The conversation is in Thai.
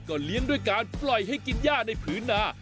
เลี้ยงด้วยการปล่อยให้กินย่าในพื้นนา